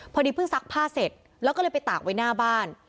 เพิ่งซักผ้าเสร็จแล้วก็เลยไปตากไว้หน้าบ้าน